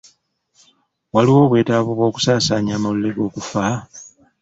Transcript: Waliwo obwetaavu bw'okusaasaanya amawulire g'okufa?